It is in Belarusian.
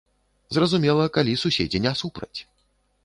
Зразумела, калі суседзі не супраць.